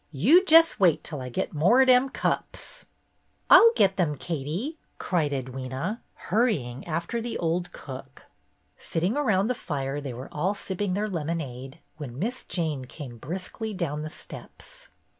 You jess wait til I get some more ob dem cups.'' "I'll get them, Katie," cried Edwyna, hurry ing after the old cook. Sitting around the fire, they were all sipping their lemonade when Miss Jane came briskly down the steps.